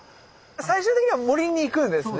最終的には森に行くんですね。